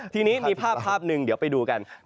ทีนี้มีภาพหนึ่งเดี๋ยวไปดูกัน